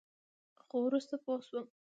خو وروسته پوه شوم.